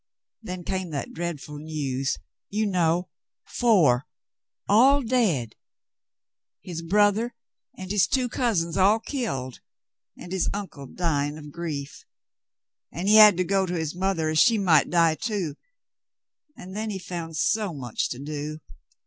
Then came that dreadful news — you know — four, all dead. His brother and his two cousins all killed, and his uncle dying of grief ; and he had to go to his mother or she might die, too, and then he found so much to do.